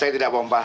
saya tidak membahas